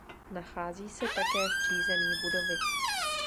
Nachází se také v přízemí budovy.